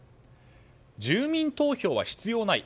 住民投票は必要ない。